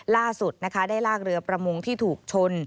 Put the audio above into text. ล่าสุดนะคะได้ลากเรือประมงที่ถูกชน